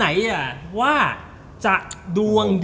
อาร์โดมัสอาร์โดมัส